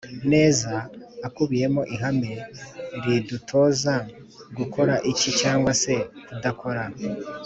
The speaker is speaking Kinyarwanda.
neza, akubiyemo ihame ridutoza gukora iki cyangwa se kudakora